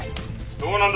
「どうなんだ？